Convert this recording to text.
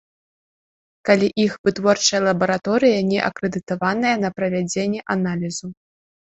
Калі іх вытворчая лабараторыя не акрэдытаваная на правядзенне аналізу.